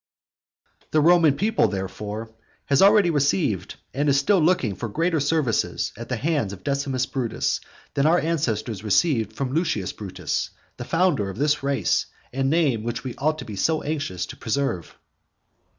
The Roman people, therefore, has already received and is still looking for greater services at the hand of Decimus Brutus than our ancestors received from Lucius Brutus, the founder of this race and name which we ought to be so anxious to preserve.